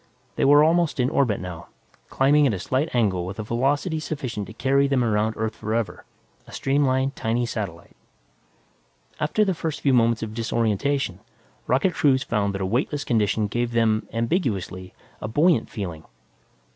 They were almost in orbit, now, climbing at a slight angle with a velocity sufficient to carry them around Earth forever, a streamlined, tiny satellite. After the first few moments of disorientation, rocket crews found that a weightless condition gave them, ambiguously, a buoyant feeling.